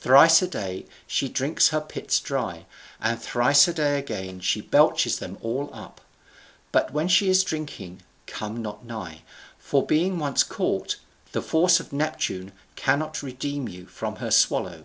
Thrice a day she drinks her pits dry, and thrice a day again she belches them all up; but when she is drinking, come not nigh, for, being once caught, the force of Neptune cannot redeem you from her swallow.